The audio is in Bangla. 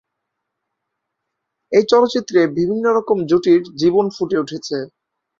এই চলচ্চিত্রে বিভিন্ন রকম জুটির জীবন ফুটে উঠেছে।